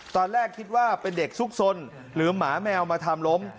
ตอนแรกคิดว่าเป็นเด็กซุกสนหรือหมาแมวมาทำล้ม